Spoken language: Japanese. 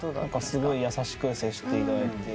すごい優しく接していただいて。